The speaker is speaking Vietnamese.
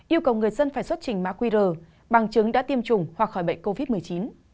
yêu cầu người dân phải xuất trình mã qr bằng chứng đã tiêm chủng hoặc khỏi bệnh covid một mươi chín